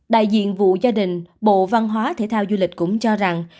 đại diện vụ gia đình bộ văn hóa thể thao du lịch cũng cho rằng